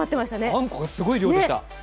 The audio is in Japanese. あんこがすごい量でしたね。